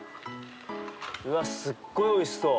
うわすっごいおいしそう。